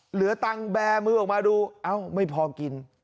เหลือตังค์แบร์มือออกมาดูเอ้าไม่พอกิน